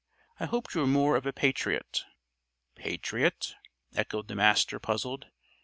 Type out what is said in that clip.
I hoped you were more of a patriot." "Patriot?" echoed the Master, puzzled.